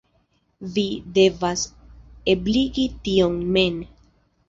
Vi devas ebligi tion mem.